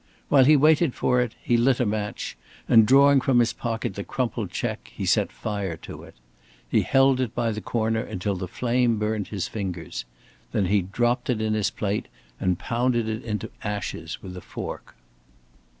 While he waited for it, he lit a match and drawing from his pocket the crumpled check, he set fire to it. He held it by the corner until the flame burnt his fingers. Then he dropped it in his plate and pounded it into ashes with a fork.